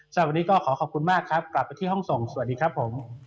สำหรับวันนี้ก็ขอขอบคุณมากครับกลับไปที่ห้องส่งสวัสดีครับผม